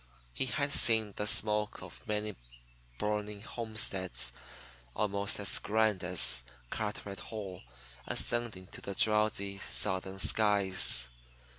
He had seen the smoke of many burning homesteads almost as grand as Carteret Hall ascending to the drowsy Southern skies.